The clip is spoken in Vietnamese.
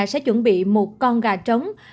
sẽ chuẩn bị một con gà trống